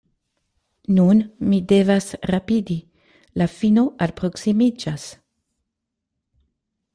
Nun mi devas rapidi; la fino alproksimiĝas.